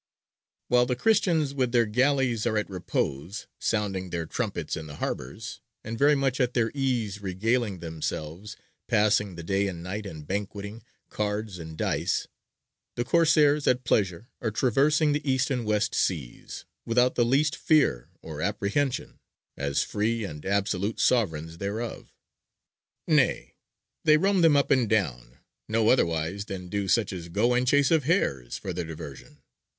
"While the Christians with their galleys are at repose, sounding their trumpets in the harbours, and very much at their ease regaling themselves, passing the day and night in banqueting, cards, and dice, the Corsairs at pleasure are traversing the east and west seas, without the least fear or apprehension, as free and absolute sovereigns thereof. Nay, they roam them up and down no otherwise than do such as go in chase of hares for their diversion.